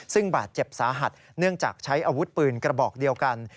ซึ่งบาดเจ็บสาหัสเนื่องจากใช้อาวุธปืนกระบอกเดียวกัน